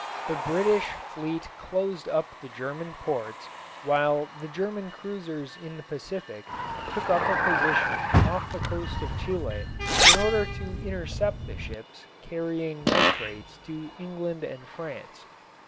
The British fleet closed up the German ports while the German cruisers in the Pacific took up a position off the coast of Chile in order to intercept the ships carrying nitrates to England and France.